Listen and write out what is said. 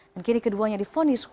dan kini keduanya difonis